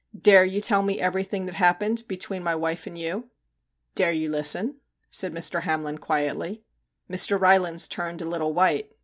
* Dare you tell me everything that happened between my wife and you ?'* Dare you listen ?' said Mr. Hamlin quietly. Mr. Rylands turned a little white.